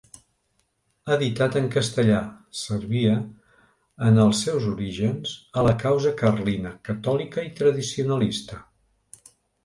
Editat en castellà, servia, en els seus orígens, a la causa carlina, catòlica i tradicionalista.